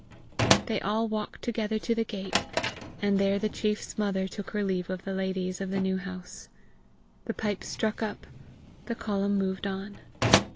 They all walked together to the gate, and there the chief's mother took her leave of the ladies of the New House. The pipes struck up; the column moved on.